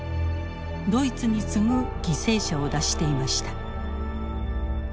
ドイツに次ぐ犠牲者を出していました。